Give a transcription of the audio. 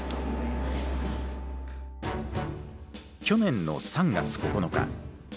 去年の３月９日。